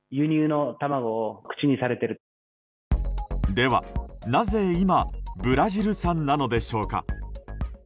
では、なぜ今ブラジル産なのでしょうか。